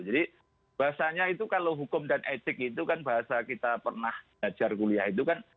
jadi bahasanya itu kalau hukum dan etik itu kan bahasa kita pernah belajar kuliah itu kan